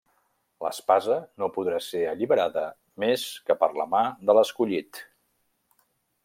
L'espasa no podrà ser alliberada més que per la mà de l'Escollit.